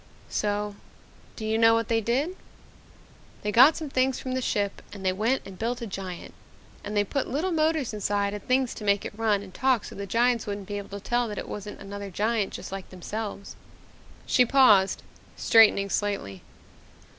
"So do you know what they did? They got some things from the ship and they went and built a giant. And they put little motors inside and things to make it run and talk so that the giants wouldn't be able to tell that it wasn't another giant just like themselves." She paused, straightening slightly.